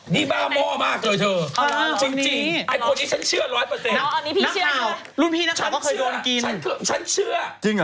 นี่ป่าม่อจริง